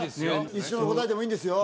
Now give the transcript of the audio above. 一緒の答えでもいいんですよ